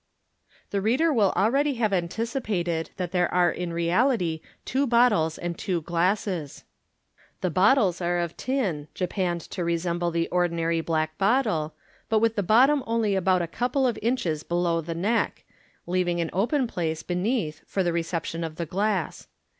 The reader will already have anticipated that there are in reality two bottles and two glasses. The bottles are of tin, japanned to resemble the ordinary black bottle, but with the bottom only about a couple of inches below the neck, leaving an open space beneath for the reception of the glass.